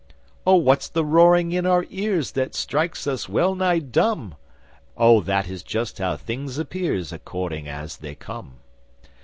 'Oh, what's the roaring in our ears That strikes us well nigh dumb?' 'Oh, that is just how things appears According as they come.